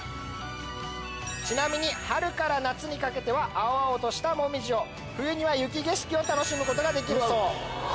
ちなみに春から夏は青々としたモミジを冬には雪景色を楽しむことができるそう。